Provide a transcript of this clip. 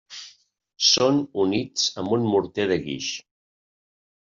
Són units amb un morter de guix.